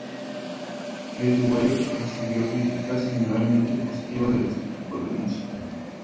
Get Weird recibió críticas generalmente positivas de los críticos de música.